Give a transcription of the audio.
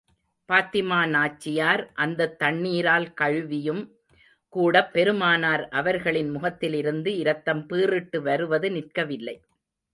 பாத்திமா நாச்சியார் அந்தத் தண்ணீரால் கழுவியும் கூடப் பெருமானார் அவர்களின் முகத்திலிருந்து இரத்தம் பீறிட்டு வருவது நிற்கவில்லை.